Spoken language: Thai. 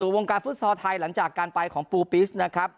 วงการฟุตซอลไทยหลังจากการไปของปูปิสนะครับ